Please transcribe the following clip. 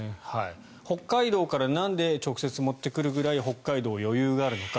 北海道からなんで直接持ってくるくらい北海道は余裕があるのか。